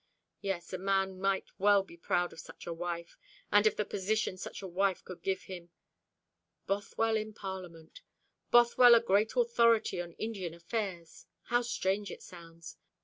Yes, a man might well be proud of such a wife, and of the position such a wife could give him. Bothwell in Parliament. Bothwell a great authority on Indian affairs. How strange it sounds!